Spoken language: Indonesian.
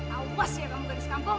awas ya kamu gadis kampung